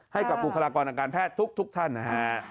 ให้กับบุคลากรอังการแพทย์ทุกท่านนะฮะ